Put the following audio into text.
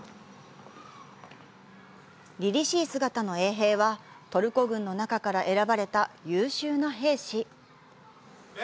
りりしい姿の衛兵は、トルコ軍の中から選ばれた優秀な兵士。